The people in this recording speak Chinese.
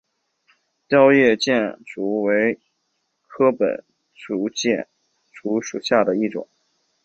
凋叶箭竹为禾本科箭竹属下的一个种。